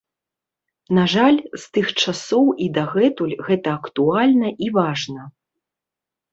На жаль, з тых часоў і дагэтуль гэта актуальна і важна.